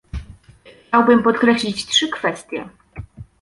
Chciałbym podkreślić trzy kwestie